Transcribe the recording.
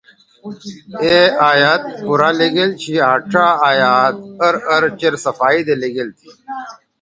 اے آیت پورا لیِگیل چھی آں ڇا آیات اَر اَر چیر صفائی دے لیِگیل تھی